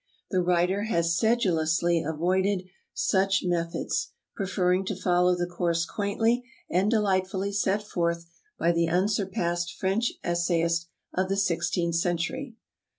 The writer has sedulously avoided such methods, pre ferring to follow the course quaintly and delightfully set forth by the unsurpassed French essayist of the sixteenth century.